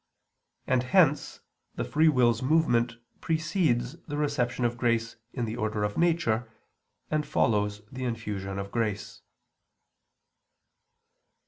And hence the free will's movement precedes the reception of grace in the order of nature, and follows the infusion of grace.